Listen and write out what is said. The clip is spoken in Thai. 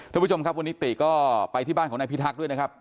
ทุกผู้ชมครับวันนี้ติก็ไปที่บ้านของนายพิทักษ์ด้วยนะครับ